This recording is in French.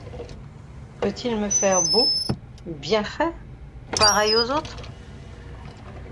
Peut-il me faire beau, bien fait, pareil aux autres ?